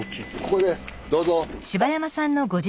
ここですどうぞ。